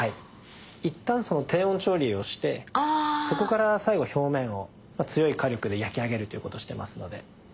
いったん低温調理をしてそこから最後表面を強い火力で焼き上げるということをしてますので。